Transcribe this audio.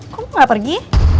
kok mau gak pergi